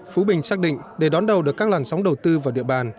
phú bình xác định để đón đầu được các làn sóng đầu tư vào địa bàn